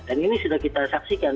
dan ini sudah kita saksikan